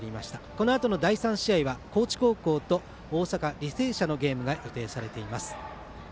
このあとの第３試合は高知高校と大阪、履正社の対戦が予定されています。